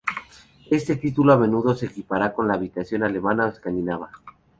Este título a menudo se equipara con la habilitación alemana o escandinava.